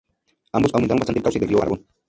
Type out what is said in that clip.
Ambos aumentan bastante el cauce del río Aragón.